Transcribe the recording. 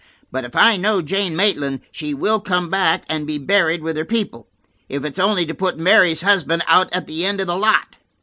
But if I know Jane Maitland, she will come back and be buried with her people, if it's only to put Mary's husband out of the end of the lot.